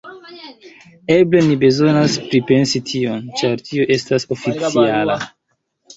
Eble ni bezonas pripensi tion, ĉar tio estas oficiala...